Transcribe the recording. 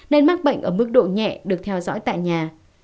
nên mắc bệnh ở mức độ nhẹ được theo dõi tại nhà